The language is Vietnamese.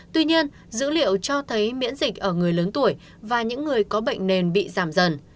tuy nhiên dữ liệu cho thấy miễn dịch ở người lớn tuổi và những người có bệnh nền bị giảm dần